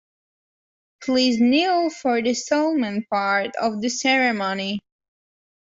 Please kneel for the solemn part of the ceremony.